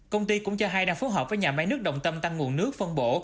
công ty cũng cho hay đang phối hợp với nhà máy nước đồng tâm tăng nguồn nước phân bổ